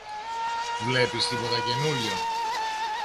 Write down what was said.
Βλέπεις τίποτα καινούριο;